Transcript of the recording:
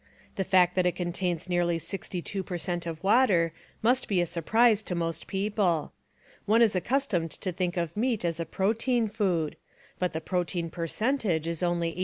The fact that it contains nearly sixty two per cent of water must be a surprise to most people. One is accustomed to think of meat as a protein food, but the protein per centage is only 18.6.